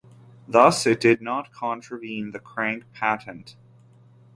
Thus, it did not contravene the crank patent.